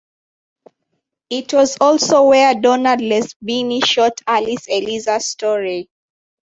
It was also where Donald Lesbini shot Alice Eliza Storey.